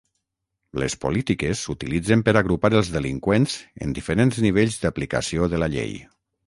Les polítiques s'utilitzen per agrupar els delinqüents en diferents nivells d'aplicació de la llei.